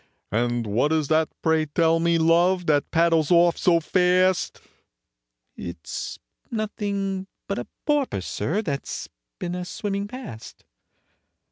"And what is that, pray tell me, love, that paddles off so fast?" "It's nothing but a porpoise, sir, that 's been a swimming past."